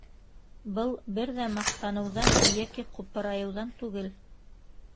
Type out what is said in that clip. Был бер ҙә маҡтаныуҙан йәки ҡупырайыуҙан түгел.